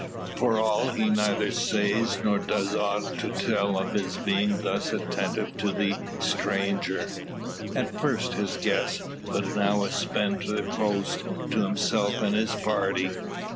For all he neither says nor does aught to tell of his being thus attentive to the stranger at first his guest, but now a spendthrift host to himself and his party.